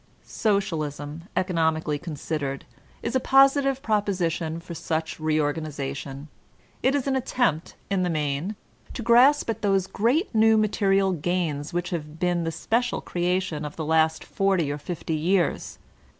Socialism, economically considered, is a positive proposition for such reorganization. It is an attempt, in the main, to grasp at those great new material gains which have been the special creation of the last forty or fifty years.